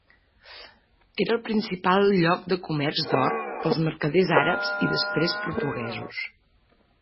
Era el principal lloc de comerç d'or pels mercaders àrabs i després portuguesos.